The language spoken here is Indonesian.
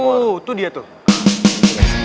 itu dia tuh